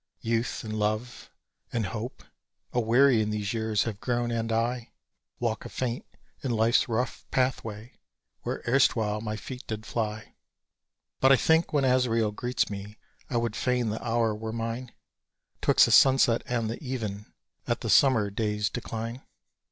Youth and love, and hope, aweary in these years have grown and I Walk afaint in life's rough pathway where erstwhile my feet did fly. But I think when Azrael greets me I would fain the hour were mine 'Twixt the sunset and the even at the summer day's decline.